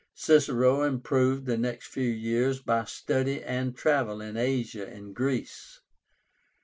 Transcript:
Cicero improved the next few years by study and travel in Asia and Greece.